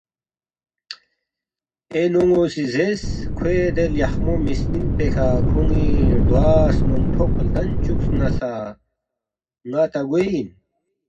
اے نون٘و سی زیرس، ”کھوے دے لیخمو مِسنِنگ پیکھہ کھوان٘ی ردوا سمونٹھوق لدن چُوکس نہ سہ ن٘ا تا گوے اِن،